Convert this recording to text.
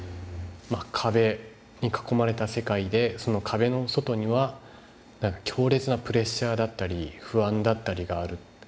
壁に囲まれた世界で壁の外には強烈なプレッシャーだったり不安だったりがある。